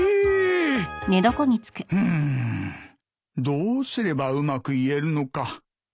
どうすればうまく言えるのか。